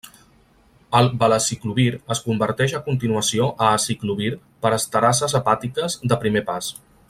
El Valaciclovir es converteix a continuació a Aciclovir per esterases hepàtiques de primer pas.